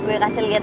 gue kasih liat